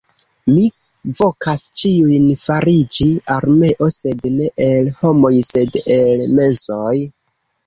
Mi vokas ĉiujn fariĝi armeo sed ne el homoj sed el mensoj